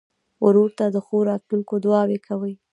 ورور ته د ښو راتلونکو دعاوې کوې.